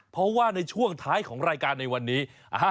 เพราะว่าในช่วงท้ายของรายการในวันนี้